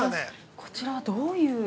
◆こちら、どういう。